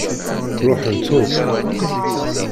Ṛuḥent-ak.